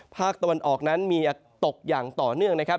ภาคตะวันออกนั้นมีตกอย่างต่อเนื่องนะครับ